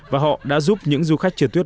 và họ đã giúp những du khách trượt tuyết